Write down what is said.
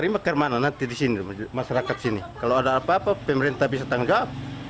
dua ratus meter saja dekat saja